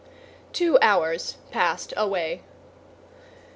Two hours passed away.